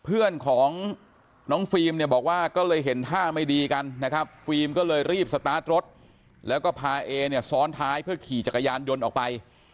เพื่อนของน้องฟิล์มเนี่ยบอกว่าก็เลยเห็นท่าไม่ดีกันนะครับฟิล์มก็เลยรีบสตาร์ทรถแล้วก็พาเอเนี่ยซ้อนท้ายเพื่อขี่จักรยานยนต์ออกไป